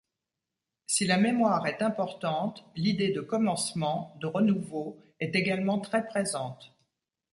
Si la mémoire est importante, l'idée de commencement, de renouveau est également très présente.